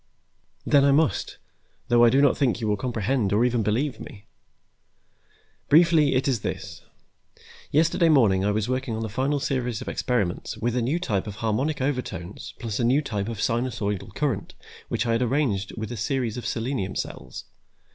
"Then I must, though I do not think you will comprehend or even believe me. Briefly, it is this: yesterday morning I was working on the final series of experiments with a new type of harmonic overtones plus a new type of sinusoidal current which I had arranged with a series of selenium cells.